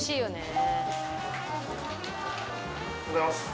おはようございます。